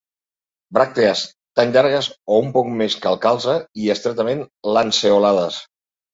Bràctees tan llargues o un poc més que el calze, i estretament lanceolades.